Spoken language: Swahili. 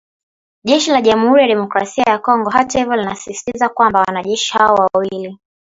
Jeshi la Jamuhuri ya Demokrasia ya Kongo hata hivyo linasisitiza kwamba wanajeshi hao wawili